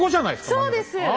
そうです！